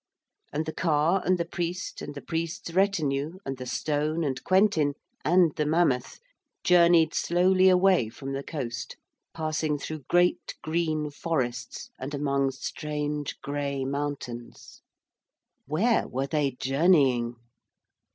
And the car and the priest and the priest's retinue and the stone and Quentin and the mammoth journeyed slowly away from the coast, passing through great green forests and among strange gray mountains. Where were they journeying?